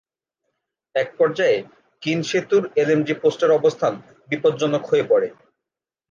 একপর্যায়ে কিন সেতুর এলএমজি পোস্টের অবস্থান বিপজ্জনক হয়ে পড়ে।